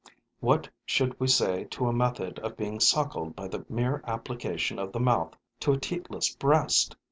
What should we say to a method of being suckled by the mere application of the mouth to a teatless breast?